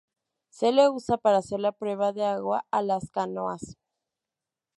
Se lo usa para hacer la prueba de agua a las canoas.